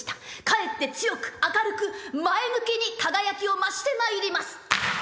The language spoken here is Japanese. かえって強く明るく前向きに輝きを増してまいります。